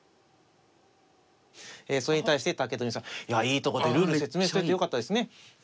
えそれに対して武富さんいやいいとこでルール説明しといてよかったですね。